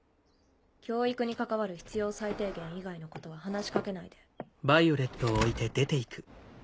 教育に関わる必要最低限以外のことは話し掛けないで。